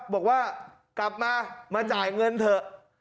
บอกว่ากลับมามาจ่ายเงินเถอะ